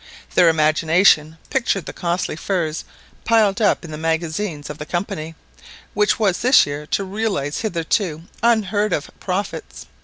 Their imagination pictured the costly furs piled up in the magazines of the Company, which was this year to realise hitherto unheard of profits.